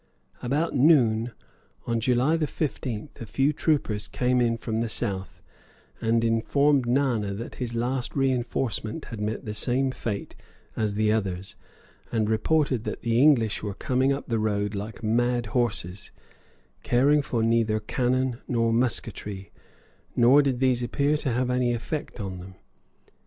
About noon on July 15th a few troopers came in from the south and informed Nana that his last reinforcement had met the same fate as the others, and reported that the English were coming up the road like mad horses, caring for neither cannon nor musketry; nor did these appear to have any effect on them.